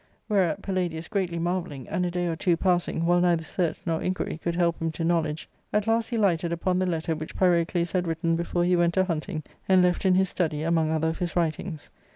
Whereat Palladius greatly marvelling, and a day or two passing, while neither search nor inquiry could help him to knowledge, at last he lighted upon the letter which Pyrocles had written before he went a hunting and left in his study among other of his writings.